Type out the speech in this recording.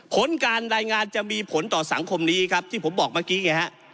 ผลการรายงานจะมีผลต่อสังคมนี้ครับที่ผมบอกเมื่อกี้ไงฮะ